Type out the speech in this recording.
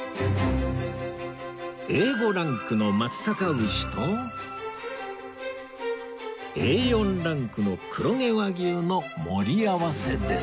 Ａ５ ランクの松阪牛と Ａ４ ランクの黒毛和牛の盛り合わせです